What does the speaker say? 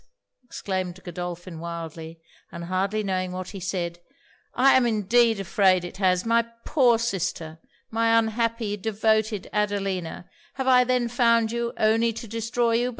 exclaimed Godolphin wildly, and hardly knowing what he said 'I am indeed afraid it has! My poor sister my unhappy, devoted Adelina! have I then found you only to destroy you?